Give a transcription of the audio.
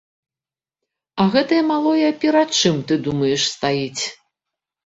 А гэтае малое перад чым, ты думаеш, стаіць?